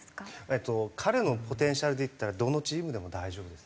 えっと彼のポテンシャルでいったらどのチームでも大丈夫です。